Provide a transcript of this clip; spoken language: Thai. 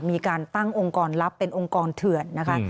มีการตั้งองค์กรลับเป็นองค์กรเถื่อนนะคะ